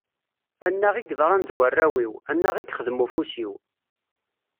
Annaɣ i yeḍran d warraw-iw, annaɣ i yexdem ufus-iw.